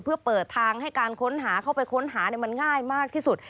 เพื่อเปิดทางให้การค้นหาเข้าไปค้นหามันง่ายมากที่สุด